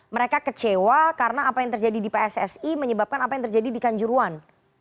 mereka kecewa karena apa yang terjadi di pssi menyebabkan apa yang terjadi di kanjuruan